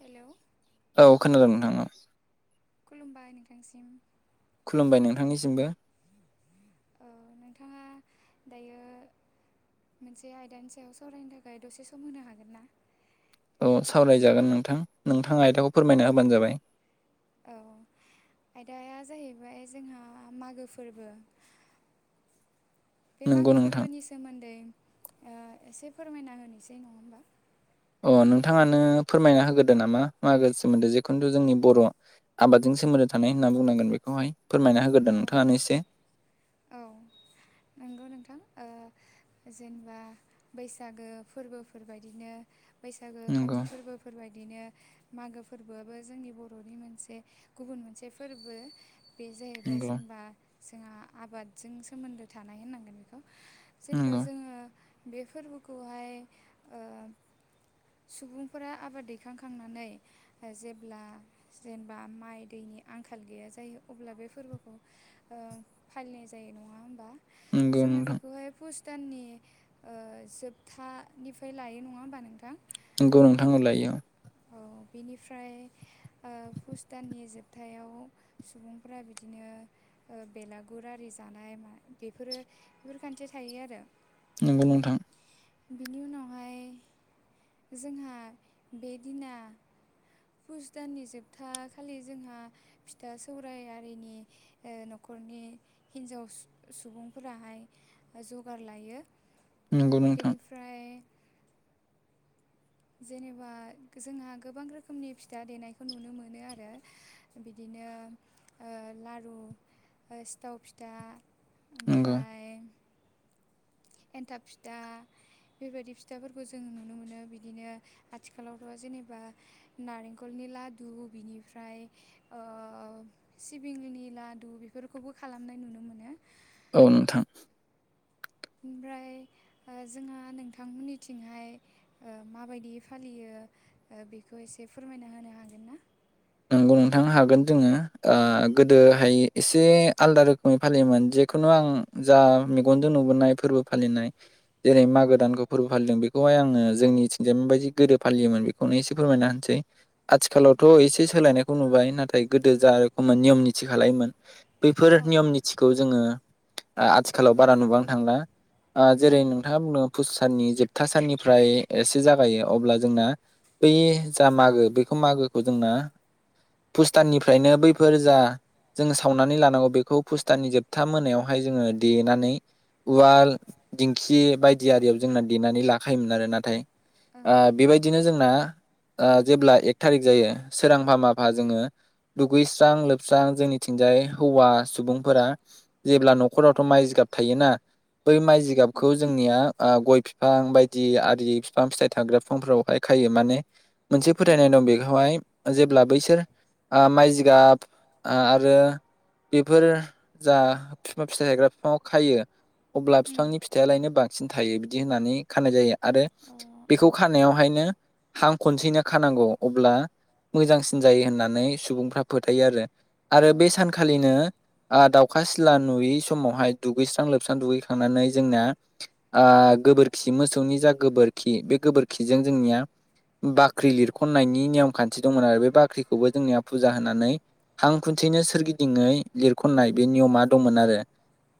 Hello औ खोनादों नोंथां ओं खुलुमबाय नोंथांसिम खुलुमबाय नोंथांनिसिमबो औ नोंथाङा दायो मोनसे आयदानि सायाव सावरायनो थाखाय दसे सम होनो हागोन ना औ सावरायजागोन नोंथां नोंथाङा आयदाखौ फोरमायना होबानो जाबाय औ आयदाया जाहैबाय जोंहा मागो फोरबो बे नंगौ मागो नोंथां फोरबोनि सोमोन्दै ओ एसे फोरमायना होनोसै नङा होमबा अ नोंथाङानो फोरमायना होग्रोदो नामा मागो सोमोन्दै जिखुनु जोंनि बर' आबादजों सोमोनदो थानाय होनना बुंनांगोन बेखौहाय फोरमायना होग्रोददों औ नोंथाङानो एसे औ नंगौ नोंथां ओ जेनेबा बैसागो फोरबोफोरबायदिनो बैसागो नंगौ खाथि फोरबो फोरबायदिनो मागो फोरबोआबो जोंनि बर'नि मोनसे गुबुन मोनसे फोरबो बे जाहैबाय नंगौ जेनेबा जोंहा आबादजों सोमोन्दो थानाय होननांगोन बेखौ जेनेबा नंगौ जोङो बे फोरबोखौहाय ओ सुबुंफोरा आबाद दैखांखांनानै जेब्ला जेनेबा माइ दैनि आंखाल गैया जायो अब्ला बे फोरबोखौ ओ फालिनाय जायो नङा होमबा नंगौ जोंहा नोंथां बेखौ बेहाय पुस दाननि ओ जोबथानिफ्राय लायो नङा होमबा नोंथां नंगौ नोंथां ओं लायो औ बिनिफ्राय ओ पुस दाननि जोबथायाव सुबुंफोरा बिदिनो ओ बेलागुर आरि जानाय बेफोरो बेफोर खान्थि थायो आरो नंगौ नोंथां बिनि उनावहाय जोंहा बे दिना पुस दाननि जोबथा खालि जोंहा फिथा सौराय आरिनि ओ न'खरनि हिन्जाव सु सुबुंफोराहाय ओ जगार लायो नोंगौ नोंथां ओमफ्राय जेनेबा जोंहा गोबां रोखोमनि फिथा देनायखौ नुनो मोनो आरो बिदिनो ओ लारु ओ सिथाव फिथा नंगौ ओमफ्राय एन्थाब फिथा बेफोरबायदि फिथाफोरखौ जों नुनो मोनो बिदिनो आथिखालावथ' जेनेबा नारेंखलनि लादु बिनिफ्राय ओ सिबिंनि लादु बेफोरखौबो खालामनाय नुनो मोनो। औ नोंथां। ओमफ्राय ओ जोंहा नोंथांमोननिथिंहाय ओ माबायदियै फालियो ओ बेखौ एसे फोरमायना होनो हागोन ना? नंगौ नोंथां हागोन बुंनो गोदोहाय एसे आलदा रोखोमै फालियोमोन जेखुनु आं जा मेगनजों नुबोनाय फोरबो फालिनाय जेरै औ मागो दानखौ फोरबो फालिदों बेखौहाय आङो जोंनिथिंजाय बायदि गोदो फालियोमोन बेखौनो एसे फोरमायना होनसै ओं आथिखालावथ' एसे सोलायनायखौ नुबाय नाथाय गोदो जा रोखोममोन नियम निथि खालायोमोन बैफोर औ ओं औ नियम निथिखौ जोङो आथिखालाव बारा नुबांनो थांला ओ जेरै नोंथाङा बुङो फुस साननि जोबथा साननिफ्राय एसे जागायो अब्ला जोंना बै जा मागो बेखौ मागोखौ जोंना फुस दाननिफ्रायनो बैफोर जा जोङो सावनानै लानांगौ बेखौ फुस दाननि जोबथा मोनायावहाय जोङो देनानै उवाल दिंखि बायदि आरियाव जोंना देनानै लाखायोमोन आरो नाथाय उम ओ बेबायदिनो जोंना ओ जेब्ला एक थारिक जायो सोरां मुफा माफा जोङो दुगैस्रां लोबस्रां जोंनिथिंजाय हौवा सुबुंफोरा जेब्ला उम न'खरावथ' माइ जिगाब थायोना बै माइ जिगाबखौ जोंनिया आ गय बिफां बायदि आरि बिफां फिथाइ थाग्रा बिफांफ्राव हाय खायो माने मोनसे फोथायनाय दं बेखौहाय जेब्ला बैसोर आ माइ जिगाब आ आरो बेफोरो जा फिफां फिसा थायग्रा फिफाङाव खायो अब्ला फिफांनि फिथाइआलायनो बांसिन थायो बिदि होननानै खानाय जायो। आरो अ बेखौ खानायावहायनो हां खनसेनो खानांगौ अब्ला मोजांसिन जायो होननानै सुबुंफ्रा फोथायो आरो आरो अ बे सानखालिनो आ दाउखा सिला नुयै समावहाय दुगैस्रां लोबस्रां दुगैखांनानै जोंना आ गोबोरखि मोसौनि जा गोबोरखि बे गोबोरखिजों जोंनिया बाख्रि लिरख'नायनि नियम खान्थि दंमोन आरो बे बाख्रिखौबो जोंनिया फुजा होनानै हां खुन्थिनो सोरगिदिङै लिरखननाय बे नियमा दंमोन आरो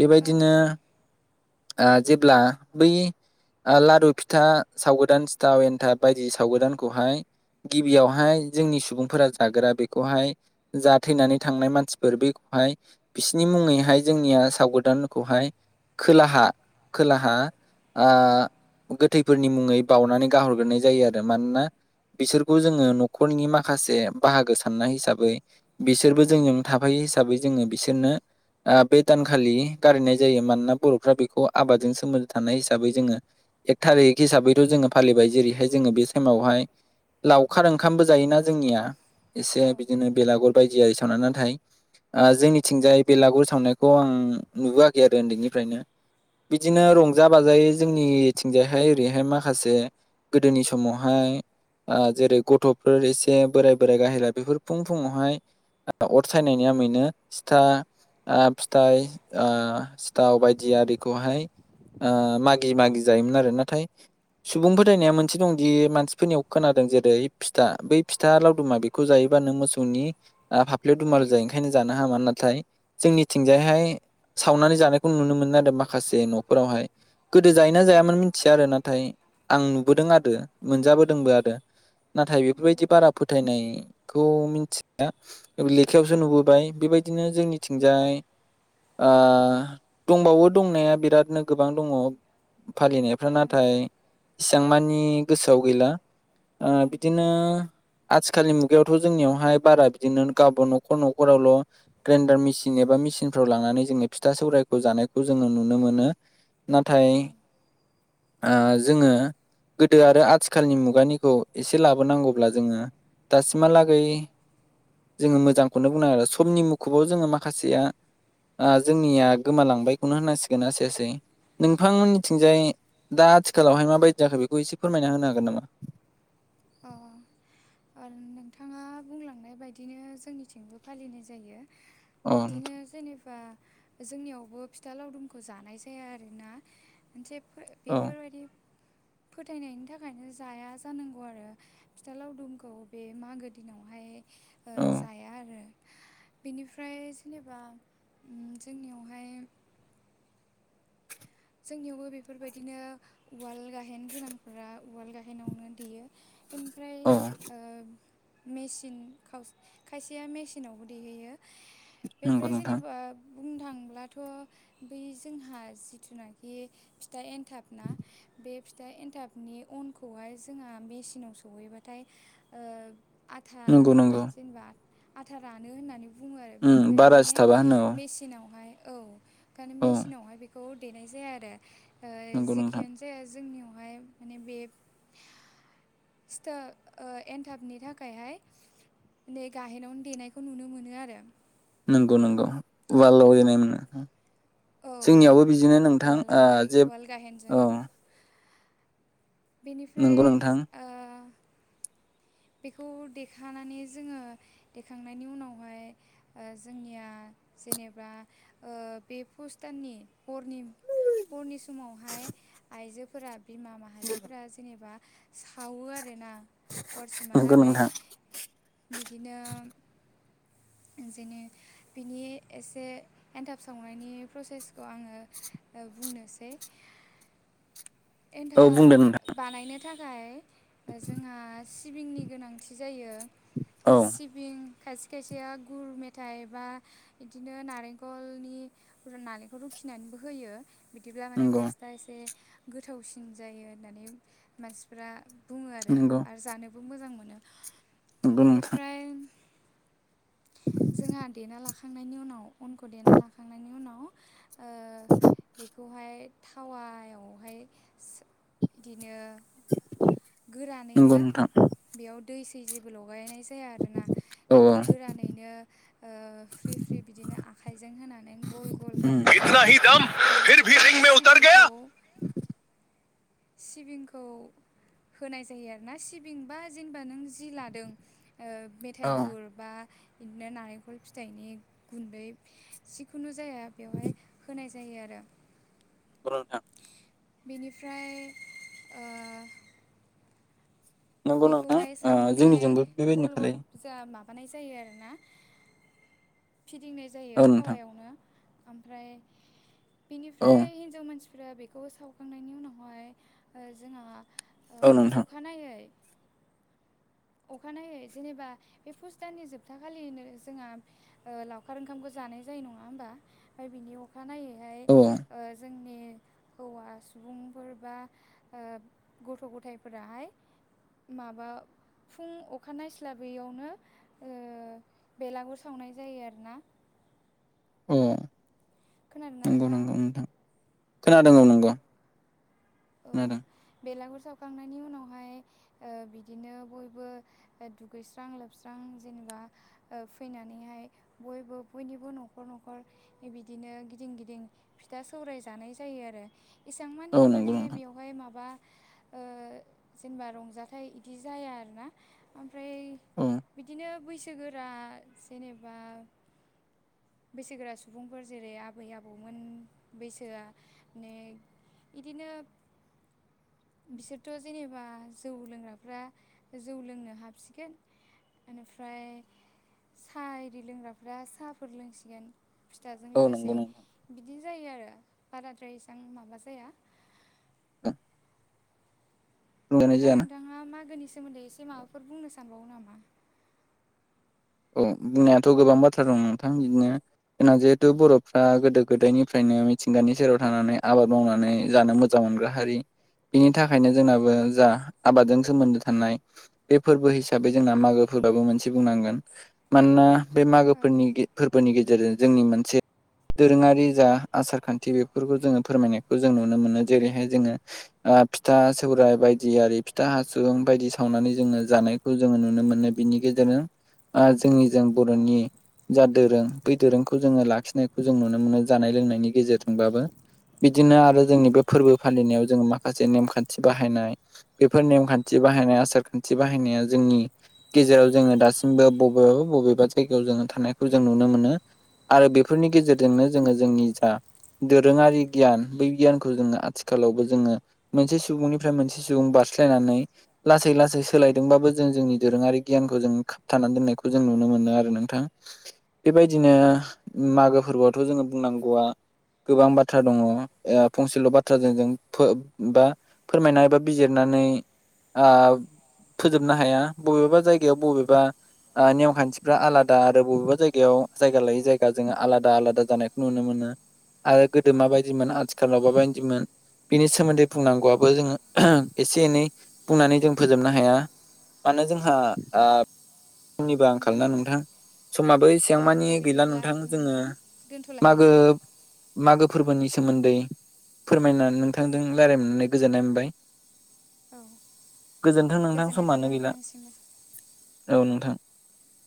बेबायदिनो आ जेब्ला बै आ लारु फिथा सावगोदान सिथाव एन्थाब बायदि साव गोदानखौहाय गिबियावहाय जोंनि सुबुंफोरा जाग्रा बेखौहाय जा थैनानै थांनाय मानसिफोर बेखौहाय बिसोरनि मुङैहाय जोंनिया साव गोदानखौहाय खोलाहा खोलाहा आ गोथैफोरनि मुङै बावनानै गाहरग्रोनाय जायो आरो मानोना बिसोरखौ जोङो न' खरनि माखासे बाहागो साननाय हिसाबै बिसोरबो जोंजों थाफायो हिसाबै जोङो बिसोरनो आ बे दानखालि गारनाय जायो मानोना बर'फ्रा बेखौ आबादजों सोमोन्दो थानाय हिसाबै जोङो एक थारिक हिसाबैथ' जोङो फालिबाय जेरैहाय जोङो बे सेमावहाय लाउ ओंखामबो जायोना जोंनिया औ एसे ओं औ बिदिनो बेलागर बायदि आरि सावना नाथाय आ जोंनिथिंजाय बेलागुर सावनायखौ आं नुबोआखै आरो उन्दैनिफ्रायनो। बिदिनो रंजा बाजायै जोंनिथिंजायहाय ओरैहाय माखासे गोदोनि समावहाय आ जेरै गथ' फोर एसे बोराय बोराइ गाहायला बेफोर फुं फुुङावहाय अर सायनायनि आमैनो सिथा आ फिथाइ ओ सिथाव बायदि आरिखौहाय आ मागि मागि जायोमोन आरो नाथाय सुबुं फोथायनाया मोनसे दं दि मानसिफोरनियाव खोनादों जेरै फिथा बै फिथा लावदुमा बेखौ जायोबानो मोसौनि आ फाफ्लियाव दुमाल ओं जायो ओंखायनो जा [unintelligible] हामा नाथाय जोंनिथिंजायहाय सावनानै जानायखौ नुनो मोनो आरो माखासे न'फोरावहाय गोदो जायो ना ओं जायामोन औ मिथिया आरो नाथाय नाथाय बेफोरबायदि बारा फोथायनायखौ मिथिया लेखायावसो नुबोबाय बेबायदिनो जोंनिथिंजाय दंबावो दंनाया बिरादनो गोबां दङ फालिनाय ओं नाथाय इसां मानि गोसोआव गैला ओ ओं [unintelligible] आथिखालनि मुगायावथ' जोंनियावहाय बारा बिदिनो गावबा न'खर न'खरावल' ग्रेन्डार मिसिन एबा मेसिनफ्राव लांनानै जोङो फिथा सौरायखौ जानायखौ जोङो नुनो मोनो। नाथाय औ आ जोङो गोदो आरो आथिखालनि मुगानिखौ [unintelligible] लाबोनांगौब्ला जोङो दासिमहालागै जोङो मोजांखौनो बुंङो आरो समनि मुखुबाव जोङो माखासेया ओ जोंनिया गोमालांबायखौनो होनांसिगोन लासेै लासै नोंथांमोननिथिंजाय दा आथिखालावहाय माबायदि जाखै बेखौ एसे फोरमायना होनो हागोन नामा अ नोंथाङा बुंलांनाय बायदिनो जोंनिथिंबो फालिनाय जायो अ बिदिनो नोंथां जेनेबा जोंनियावबो फिथा लावदुमखौ जानाय जाया आरोना मोनसे औ बेफोरबायदि फोथायनायनि थाखायनो जाया जानांगौ औ आरो फिथाालाव दुमखौ बे मागो दिनावहाय ओ औ जाया आरो बेनिफ्राय जेनेबा जोंनियावहाय जोंनियावबो बेफोरबायदिनो उवाल गाहेन गोनांफोरा उवाल गाहेनावनो दैेयो ओमफ्राय औ ओ मसिन खायसेया मेसिनावबो दैहैयो नंगौ बेनिफ्राय नोंथां जेनेबा बुंनो थांब्लाथ' बै जोंहा जिथुनाखि फिथा एनथाब ना बे फिथाइ एन्थाबनि अनखौहाय जोंहा मेसिनाव सहैबाथाय ओ आथा नंगौ नंगौ जेनेबा आथा रानो होननानै बुङो आरो उम बिनिखायनो बारा माने सिथाबा होनो औ मेचिनावहाय औ ओंखायनो औ मेसिनावहाय बेखौ देनाय जाया आरो ओ नंगौ नोंथां जेखियानो जाया जोंनियावहाय माने बे सिथा एन्थाबनि थाखायहाय नै गाहेरावनो देनायखौ नुनो मोनो आरो। नंगौ नंगौ बाल'नाय मोननो औ जोंनियावबो बिदिनो नोंथां ओ उवालावहाय जे उवाल गाहेनजों औ नंगौ बेनिफ्राय नोंथां ओ बेखौ देखानानै जोङो देखांनायनि उनावहाय जोंनिया जेनेबा ओ बे फुस्ताननि परनिम हरनि समावहाय आइजोफोरा बिमा माहारिफोरा जेनेबा सावो आरोना नंगौ हरसिमहालागै नोंथां बिदिनो जेननि बिनि एसे एन्थाब सावनायनि प्रसेसखौ आङो बुंनोसै औ एन्थाब बुंदो नोंथां बानायनो थाखाय जोंहा सिबिंनि गोनांथि जायो औ सिबिं खायसे खायसेया गुर मेथाइ बा बिदिनो नारेंखलनि नालेंखर रुखिनानैबो होयो बिदिब्ला माने नंगौ टेस्टआ एसे गोथावसिन जायो होननानै मानसिफ्रा बुङो आरो नंगौ आरो जानोबो मोजां मोनो नंगौ नोंथां बेनिफ्राय जोंहा देना लाखांनायनि उनाव उनखौ देना लाखांनायनि उनाव ओ बेखौहाय थावायावहाय बिदिनो गोरानैनो नंगौ नोंथां बेयाव दै सै जेबो लगायनाय जाया आरोना औ बेखौ औ गोरानैनो ओ फ्रि फ्रि बिदिनो आखाइजों होनानै गल गल उम इतना खामनानैहाय ही दम बेयाव फिर भी रिंग में उतर गया सिबिंखौ सिबिंखौ होनाय जायो आरो ना सिबिंबा जेनेबा नों जि लादों ओ मेथाइ औ गुरबा बिदिनो नारेंखल फिथाइनि गुन्दै जिखुनु जाया बेवहाय होनाय जायो आरो नंगौ नोंथां बेनिफ्राय ओ नंगौ नोंथां बेखौहाय ओ सावनानैहाय जोंनिजोंबो बेबायदिनो गल गल खालायो जा माबानाय जायो आरोना फिदिंनाय जायो औ नोंथां थावायावनो ओमफ्राय औ बिनिफ्राय हिनजाव मानसि फ्राय बेखौ सावखांनायनि उनावहाय जोंहा औ नोंथां अखानायै अखानायै जेनेबा बे फुस दाननि जोबथा खालिनो जोंहा ओ लावखार ओंखामखौ जानाय जायो नङा होमबा ओमफ्राय बिनि अ खा औ औ नायैहाय जोंनि हौवा सुबुंफोर बा गथ' गथायफोराहाय माबा फुं अखा नायस्लाबैयावनो बेलागुर सावनाय जायो आरोना। अ खोनादोंना नंगौ नोंथाङा नंगौ नोंथां खोनादों औ नोंगौ औ खोनादों बेलागुर सावखांनायनि उनावहाय बिदिनो बयबो दुगैस्रां लोबस्रां जेनेबा फैनानैहाय बयबो बयनिबो न'खर न'खर बिदिनो गिदिं गिदिं फिथा सौराय जानाय जायो आरो एसां मानि औ नंगौ माने नोंथां बेवहाय माबा ओ जेनेबा रंजाथाइ इदि जाया आरोना। ओमफ्राय औ बिदिनो बैसोगोरा जेनेबा बैसोगोरा सुबुंफोर जेरै आबै आबौमोन बैसोआ नेग बिदिनो बिसोरथ' जेनेबा जौ लोंग्राफ्रा जौ लोंनो हाबसिगोन। बेनिफ्राय साहा इदि लोंग्राफ्रा साहा फोर लोंसिगोन फिथाजों औ नंगौ लोगोसे नोंथां बिदि जायो आरो बाराद्राय इसां माबा जाया [inaudible] बुंनाय दा जायाना नोंथाङा मागोनि सोमोन्दै एसे माबाफोर बुंनो सानबावो नामा। औ बिनायाथ' गोबां बाथ्रा दं नोंथां बिदिनो जोंना जिहेथु बर'फ्रा गोदो गोदायनिफ्रायनो मिथिंगानि सेराव थानानै आबाद मावनानै जानो मो जां मोनग्रा हारि बिनि थाखायनो जोंनाबो जा आबादजों सोमोन्दो थानाय बे फोरबो हिसाबै जोंना मागोफोराबो मोनसे बुंनांगोन। मानोना बे औ मागोफोरनि फोरबोनि गेजेरजों जोंनि मोनसे दोरोङारि जा आसार खान्थि बेफोरखौ जोंङो फोरमायनायखौ जों नुनो मोनो जेरैहाय जोंङो फिथा सौरायाइ बायदि आरि फिथा हासु बायदि सावनानै जोंङो जानाय खौ जोंङो नुनो मोनो बिनि गेजेरजों जोंनिजों ओं बर'नि जा दोरों बै दोरोंखौ जोंङो लाखिनायखौ जों नुनो मोनो जानाय लोंनायनि गेजेरजोंबाबो बिदिनो आरो जोंनि बे फोरबो फालिनायाव जों माखासे नेमखान्थि बाहायनाय बेफोर नेमखान्थि बाहायनाय आसार खान्थि बाहायनाया जोंनि गेजेराव जोंङो दासि म बबेबा बबेबा जायगायाव जों थानायखौ जों नुनो मोनो। आरो बेफोरनि गेजेरजोंनो जोंङो जोंनि जा दोरोङारि गियान बै गियानखौ जोंङो आथिखालावबो जोंङो मोनसे सुबुंनिफ्राय मोनसे सुबुं बारस्लायनानै लासै लासै सोलायदोंबाबो जों जोंनि दोरोङारि गियानखौ जों थानानै दोननायखौ जों नुनो मोनो आरो नोंथां। बेबायदिनो मागो फोरबोआवथ' जोङो बुंनांगौआ गोबां बाथ्रा दङ फंसेल' बाथ्राजों जों बा फोरमायनाय बा बिजिरनानै आ फोजोबनो हाया बबेबा जायगायाव बबेबा नेम खान्थिफ्रा आलादा आरो बबेबा जायगायाव औ जायगा लायै औ जायगा जोंङो आलादा आलादा जानाय नुनो मोनो आरो गोदो माबायदिमोन आथिखालाव माबायदिमोन बिनि सोमोन्दै बुंनांगौआबो जोंङो एसे एनै बुंनानै जों फोजोबनो हाया। मानोे जोंहा ओ सोरनिबा आंखाल ना नोंथां समाबो औ इसेगांमानि दे गैला बिदिब्ला नोंथां जोङो मागो दोनथ'लायनोसै मागो फोरबोनि सोमोन्दै फोरमायनानै नोंथांजों रायलाय मोननानै गोजोननाय मोनबाय औ गोजोन्थों नोंथां गोजोननाय समानो थाबाय गैला नोंथांसिमबो। औ नोंथां।